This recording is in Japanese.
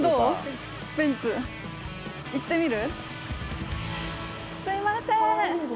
いってみる？